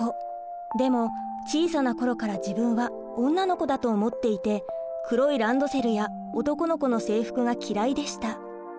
でも小さな頃から自分は女の子だと思っていて黒いランドセルや男の子の制服が嫌いでした。